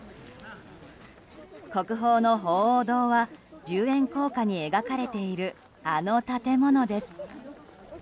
国宝の鳳凰堂は十円硬貨に描かれているあの建物です。